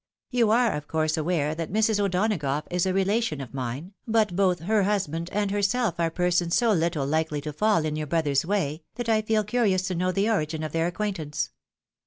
You are, of course, aware that Mrs. O'Donagough is a relation of mine, but both her husband and herself are persons so little likely to fall in your brother's way, that I feel curious to know the origin of their acquaintance."